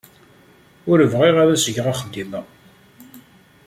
Ur bɣiɣ ad as-geɣ axeddim-a.